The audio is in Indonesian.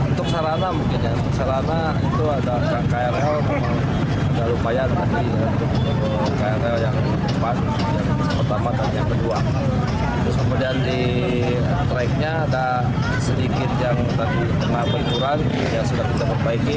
di tracknya ada sedikit yang sedang berhenturan yang sudah kita perbaiki